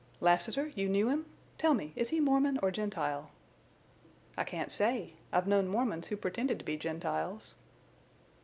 "Lassiter, you knew him? Tell me, is he Mormon or Gentile?" "I can't say. I've knowed Mormons who pretended to be Gentiles."